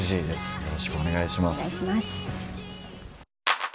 よろしくお願いします。